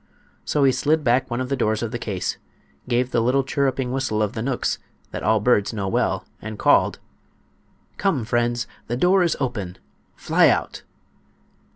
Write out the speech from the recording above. So he slid back one of the doors of the case, gave the little chirruping whistle of the knooks that all birds know well, and called: "Come, friends; the door is open—fly out!"